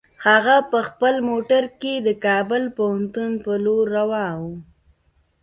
هغه په خپل موټر کې د کابل پوهنتون په لور روان و.